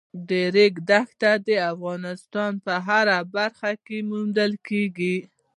د ریګ دښتې د افغانستان په هره برخه کې موندل کېږي.